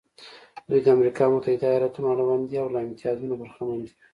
دوی د امریکا متحده ایالتونو اړوند دي او له امتیازونو برخمن دي.